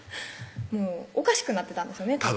もうおかしくなってたんですよね